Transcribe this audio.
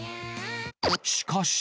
しかし。